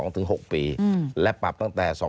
ถึง๖ปีและปรับตั้งแต่๒๕๖